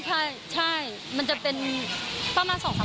คงไม่รู้ใช่มันจะเป็นประมาณ๒๓ครั้งแล้วค่ะ